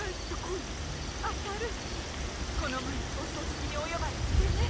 あたるこの前お葬式にお呼ばれしてね。